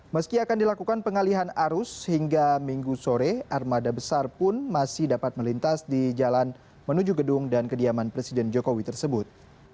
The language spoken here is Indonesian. meski akan dilakukan pengalihan arus hingga minggu sore armada besar pun masih dapat melintas di jalan menuju gedung dan kediaman presiden jokowi tersebut